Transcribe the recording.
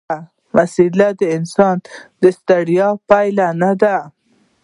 وسله د انسان د ستړیا پای نه ده